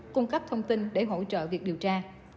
cung cấp thông tin để hỗ trợ việc điều tra